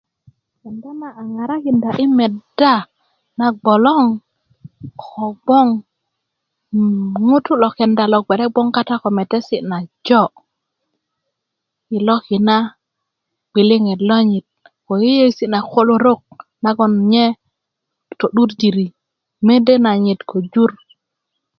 kenda na a ŋarakinda yi meda na gboloŋ kogboŋ ŋutu lo kenda lo gbe'de gboŋ kata ko metesi' najo yi loki na gbiliŋet lonyit ko yeyeesi' na kolorok nagon nye to'durjiri mede nayit ko jur